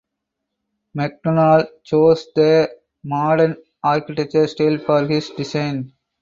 Macdonald chose the Moderne architecture style for his design.